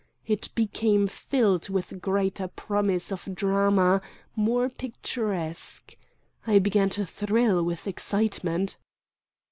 It became filled with greater promise of drama, more picturesque. I began to thrill with excitement.